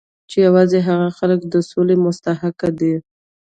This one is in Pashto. چې یوازې هغه خلک د سولې مستحق دي